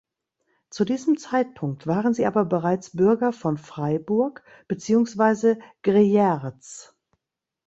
Zu diesem Zeitpunkt waren sie aber bereits Bürger von Freiburg beziehungsweise Greyerz.